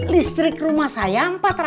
listri rumah saya empat ratus lima puluh delapan